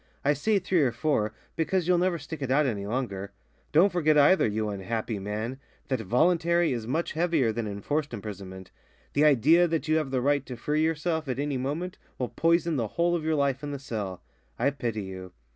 I say three or four, because you'll never stick it out any longer. Don't forget either, you unhappy man, that voluntary is much heavier than enforced imprisonment. The idea that you have the right to free yourself at any moment will poison the whole of your life in the cell. I pity you."